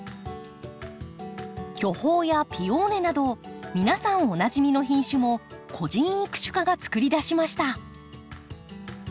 巨峰やピオーネなど皆さんおなじみの品種も個人育種家がつくり出しました。